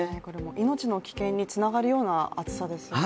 命の危険につながるような暑さですよね。